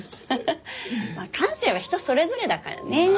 ハハまあ感性は人それぞれだからね。